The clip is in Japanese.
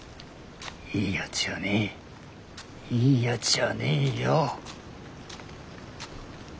いいやつじゃねえいいやつじゃねえよ。